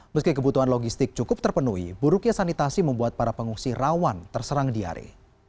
meski kebutuhan logistik cukup terpenuhi buruknya sanitasi membuat para pengungsi rawan terserang diare